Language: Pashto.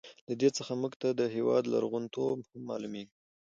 له دې څخه موږ ته د هېواد لرغون توب هم معلوميږي.